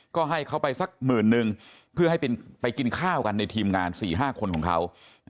ก็ให้เขาไปสักหมื่นนึงเพื่อให้ไปกินข้าวกันในทีมงาน๔๕คนของเขา